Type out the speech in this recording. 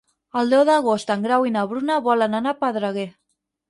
El deu d'agost en Grau i na Bruna volen anar a Pedreguer.